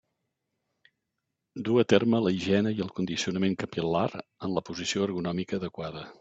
Du a terme la higiene i el condicionament capil·lar en la posició ergonòmica adequada.